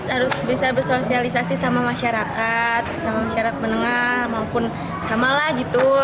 harus bisa bersosialisasi sama masyarakat sama masyarakat menengah maupun sama lah gitu